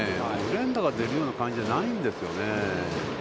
連打が出るような感じじゃないんですよね。